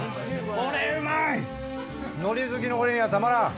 海苔好きの俺にはたまらん。